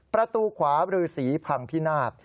ประตูขวาบรือสีพังพินาศ